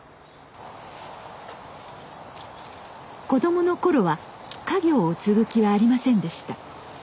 子供の頃は家業を継ぐ気はありませんでした。